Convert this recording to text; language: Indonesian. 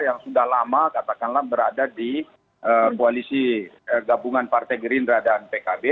yang sudah lama katakanlah berada di koalisi gabungan partai gerindra dan pkb